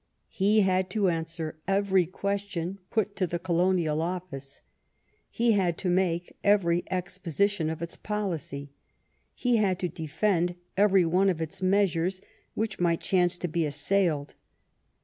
He had to answer every question put to the Colonial Office. He had to make every exposition of its policy. He had to defend every one of its measures which might chance to be assailed.